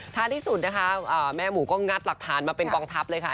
ถ้าที่สุดนะคะแม่หมูก็งัดหลักฐานมาเป็นกองทัพเลยค่ะ